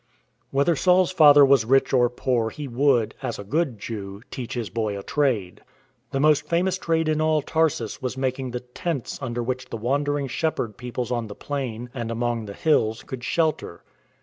Whether Saul's father was rich or poor he would, as a good Jew, teach his boy a trade. The most famous trade in all Tarsus was making the tents under which the wandering shepherd peoples on the plain and among the hills could shelter.